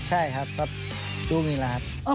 ใช่ครับลูกนี้แล้วครับ